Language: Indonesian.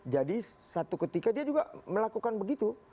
jadi satu ketika dia juga melakukan begitu